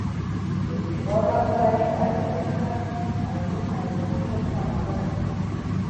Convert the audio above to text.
د دې کار لپاره یې عربي خره او نور حیوانات وځغلول.